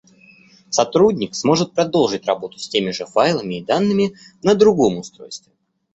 Сотрудник сможет продолжить работу с теми же файлами и данными на другом устройстве